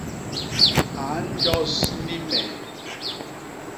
A njos ni me?